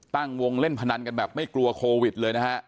ตั้งวงเล่นพนันกันแบบไม่กลัวโควิดเลยนะฮะ